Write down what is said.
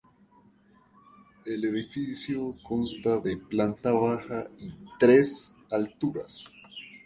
El edificio consta de planta baja y tres alturas.